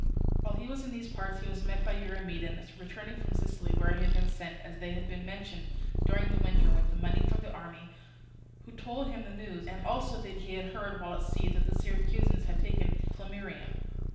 While he was in these parts he was met by Eurymedon returning from Sicily, where he had been sent, as has been mentioned, during the winter, with the money for the army, who told him the news, and also that he had heard, while at sea, that the Syracusans had taken Plemmyrium.